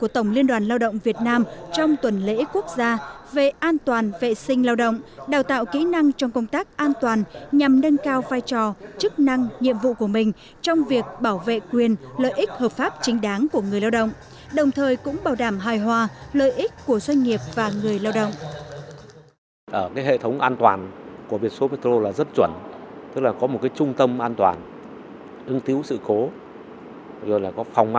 tổng liên đoàn lao động việt nam trong tuần lễ quốc gia về an toàn vệ sinh lao động đào tạo kỹ năng trong công tác an toàn nhằm nâng cao vai trò chức năng nhiệm vụ của mình trong việc bảo vệ quyền lợi ích hợp pháp chính đáng của người lao động đào tạo kỹ năng trong công tác an toàn nhằm nâng cao vai trò chức năng nhiệm vụ của mình trong việc bảo vệ quyền lợi ích hợp pháp chính đáng của người lao động